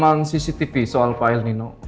jadi kita harus bers nato